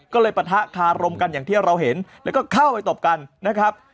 ก็เลยปะทะคารมกันอย่างที่เราเห็นแล้วก็เข้าไปตบกันนะครับ